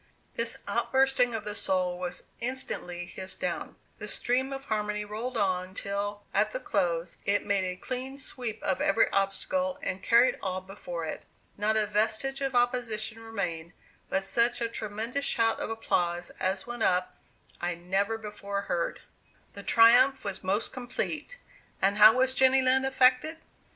This outbursting of the soul was instantly hissed down. The stream of harmony rolled on till, at the close, it made a clean sweep of every obstacle, and carried all before it. Not a vestige of opposition remained, but such a tremendous shout of applause as went up I never before heard. "The triumph was most complete. And how was Jenny Lind affected?